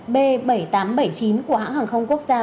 b bảy nghìn tám trăm bảy mươi chín của hãng hàng không quốc gia